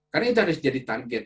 karena kita harus menjadi target